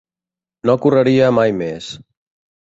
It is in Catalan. No correria mai més.